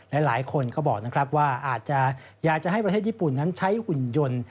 หลายคนก็บอกนะครับว่าอาจจะอยากจะให้ประเทศญี่ปุ่นนั้นใช้หุ่นยนต์